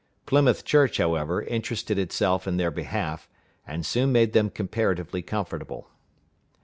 Plymouth Church, however, interested itself in their behalf, and soon made them comparatively comfortable.